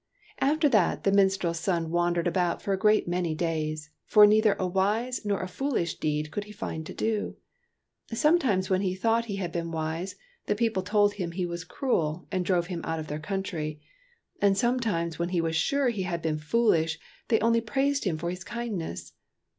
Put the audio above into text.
After that, the minstrel's son wandered about for a great many days ; for neither a wise nor a foolish deed could he find to do. Sometimes, when he thought he had been wise, the people told him he was cruel, and drove him out of their country; and sometimes, when he was sure he had been foolish, they only praised him for his kindness.